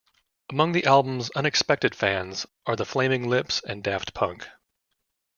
Among the album's "unexpected" fans are the Flaming Lips and Daft Punk.